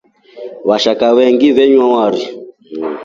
Vashaka venyengi venywa wari.